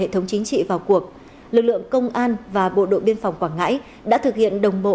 thống chính trị vào cuộc lực lượng công an và bộ đội biên phòng quảng ngãi đã thực hiện đồng bộ